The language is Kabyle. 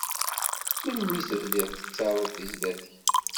Melmi tebdiḍ tettaruḍ tizlatin?